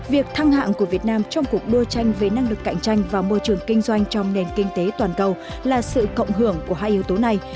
việc thăng hạng của việt nam trong cuộc đua tranh về năng lực cạnh tranh và môi trường kinh doanh trong nền kinh tế toàn cầu là sự cộng hưởng của hai yếu tố này